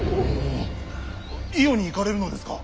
伊予に行かれるのですか。